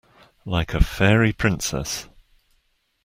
Like a fairy princess.